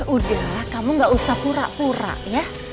udah kamu gak usah pura pura ya